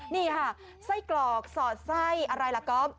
นี่ค่ะไส้กรอกสอดไส้อะไรล่ะก๊อฟ